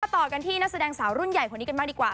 ต่อกันที่นักแสดงสาวรุ่นใหญ่คนนี้กันบ้างดีกว่า